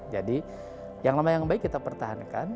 jadi yang lama yang baik kita pertahankan